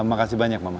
makasih banyak mama